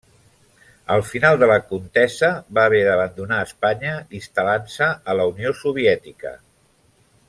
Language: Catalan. Al final de la contesa va haver d'abandonar Espanya, instal·lant-se a la Unió Soviètica.